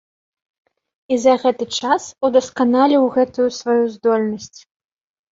І за гэты час удасканаліў гэтую сваю здольнасць.